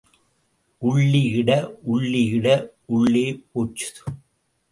உள்ளி இட உள்ளி இட உள்ளே போச்சுது.